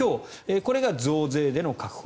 これが増税での確保。